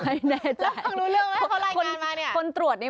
ไม่แน่ใจนะครับเพราะลายงานมานี่เขาคุณตรวจนี้